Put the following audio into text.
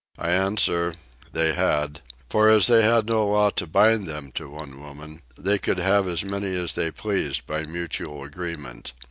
I answer, they had; for as they had no law to bind them to one woman, they could have as many as they pleased by mutual agreement.